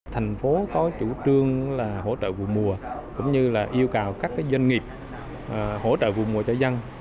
thành phố có chủ trương là hỗ trợ vùng mùa cũng như là yêu cầu các doanh nghiệp hỗ trợ vùng mùa cho dân